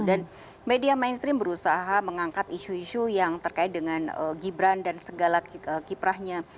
dan media mainstream berusaha mengangkat isu isu yang terkait dengan gibran dan segala kiprahnya